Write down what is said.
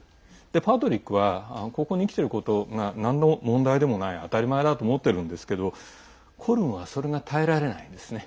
パードリックはここに生きていることがなんの問題でもない当たり前だと思っているんですがコルムはそれが耐えられないんですね。